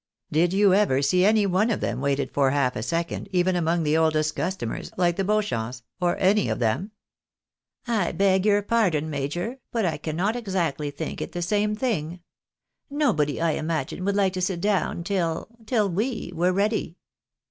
Did you ever see any one of them waited for half a second, even among the oldest customers, like the Beauchamps, or any of them ?"" I bog your pardon, mijor, but I cannot exactly think it the same thing. Nobody, I imagine, would like to sit down till — till we were ready."